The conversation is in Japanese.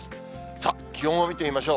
さあ、気温を見てみましょう。